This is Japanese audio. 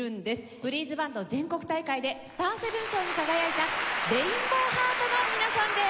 ブリーズバンド全国大会でスターセブン賞に輝いたＲａｉｎｂｏｗＨｅａｒｔの皆さんです。